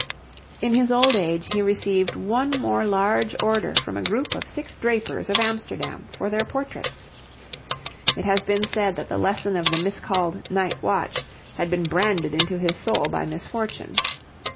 In his old age he received one more large order from a group of six drapers of Amsterdam for their portraits. It has been said that the lesson of the miscalled 'Night Watch' had been branded into his soul by misfortune.